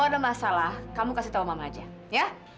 tapi satu gelas aja ya